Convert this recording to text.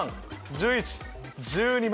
１１１２万。